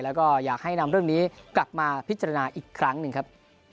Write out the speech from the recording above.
แล้วก็อยากให้นำเรื่องนี้กลับมาพิจารณาอีกครั้งหนึ่งครับ